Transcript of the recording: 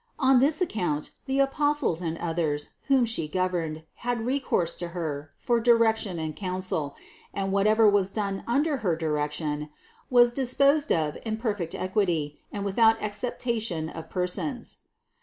On this account the Apostles and others, whom She governed, had recourse to Her for direction and counsel, and whatever was done under her direction, was disposed of in perfect equity and without acceptation of persons.